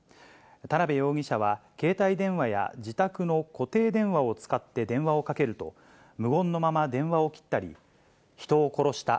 田辺容疑者は携帯電話や自宅の固定電話を使って電話をかけると、無言のまま電話を切ったり、人を殺した。